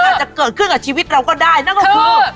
ถ้าจะเกิดขึ้นกับชีวิตเราก็ได้นะครับครู